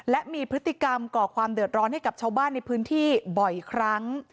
และมีพฤติกรรมก่อความเดือดร้อนให้กับชาวบ้านในพื้นที่บ่อยครั้ง